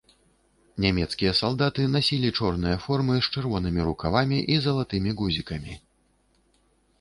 Нямецкія салдаты насілі чорныя формы з чырвонымі рукавамі і залатымі гузікамі.